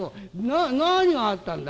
な何があったんだ？」。